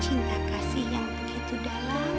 cinta kasih yang begitu dalam